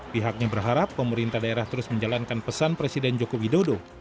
pihaknya berharap pemerintah daerah terus menjalankan pesan presiden joko widodo